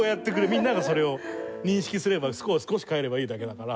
みんながそれを認識すればスコア少し変えればいいだけだから。